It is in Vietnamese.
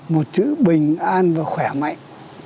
một chữ bình an và khỏe mạnh